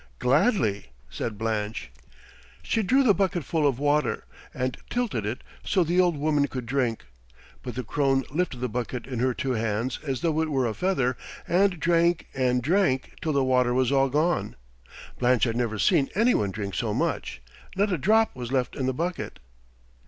"Gladly," said Blanche. She drew the bucket full of water, and tilted it so the old woman could drink, but the crone lifted the bucket in her two hands as though it were a feather and drank and drank till the water was all gone. Blanche had never seen any one drink so much; not a drop was left in the bucket.